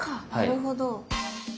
なるほど。